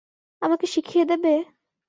আমাকে শিখিয়ে দেবে?